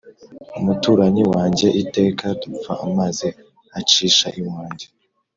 Umuturanyi wanjye iteka dupfa amazi acisha iwanjye